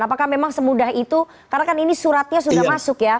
apakah memang semudah itu karena kan ini suratnya sudah masuk ya